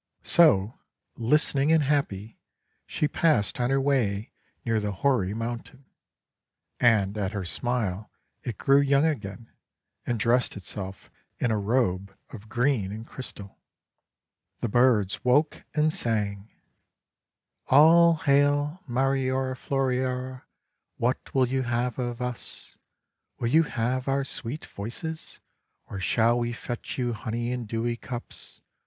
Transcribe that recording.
So, listening and happy, she passed on her way near the hoary mountain. And at her smile it grew young again, and dressed itself in a robe of green and crystal. MARIORA FLORIORA 431 The birds woke and sang: — "All hail, Mariora Floriora! What will you have of us? Will you have our sweet voices? Or shall we fetch you honey in dewy cups?